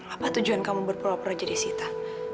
apa tujuan kamu berpura pura jadi sita